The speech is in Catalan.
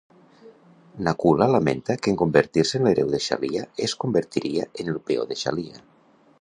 Nakula lamenta que en convertir-se en l'hereu de Shalya, es convertiria en el peó de Shalya.